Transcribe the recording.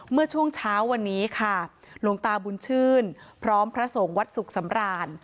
เมื่อช่วงเช้าวันนี้ค่ะหลวงตาบุญชื่นพร้อมพระสงฆ์วัดสุขสำราญ